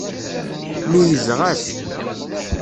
Meyyzeɣ-as.